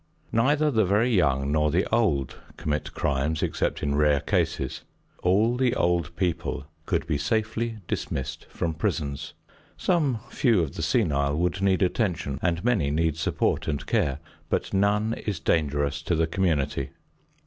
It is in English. Neither the very young nor the old commit crimes, except in rare cases. All the old people could be safely dismissed from prisons. Some few of the senile would need attention, and many need support and care, but none is dangerous to the community.